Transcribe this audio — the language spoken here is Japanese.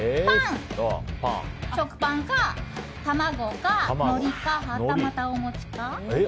食パン、卵か、のりかはたまた、お餅か。